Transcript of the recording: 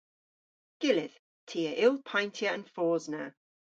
Gyllydh. Ty a yll payntya an fos na.